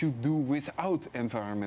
mungkin kita harus melakukan